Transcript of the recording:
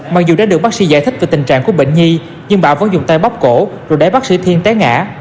mặc dù đã được bác sĩ giải thích về tình trạng của bệnh nhi nhưng bảo vẫn dùng tay bóc cổ rồi đẩy bác sĩ thiên té ngã